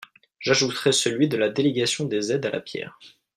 J’ajouterai celui de la délégation des aides à la pierre.